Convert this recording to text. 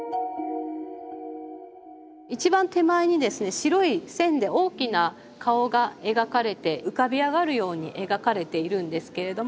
一番手前にですね白い線で大きな顔が描かれて浮かび上がるように描かれているんですけれども。